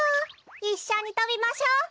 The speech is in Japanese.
いっしょにとびましょう。